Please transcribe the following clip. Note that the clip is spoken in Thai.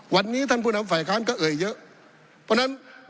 วันนี้ท่านผู้นำฝ่ายค้านก็เอ่ยเยอะเพราะฉะนั้น